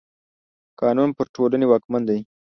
قانون پر ټولني واکمن دی.